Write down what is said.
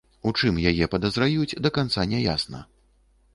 У чым яе падазраюць, да канца не ясна.